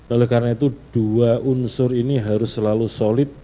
oleh karena itu dua unsur ini harus selalu solid